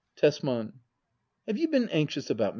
Tesman. Have you been anxious about me